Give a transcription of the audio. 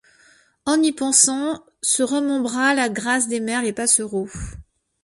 En y pensant, se remembra la graace des merles et passereaux.